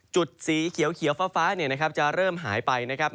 สีเขียวฟ้าจะเริ่มหายไปนะครับ